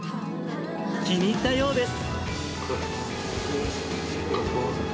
気に入ったようです。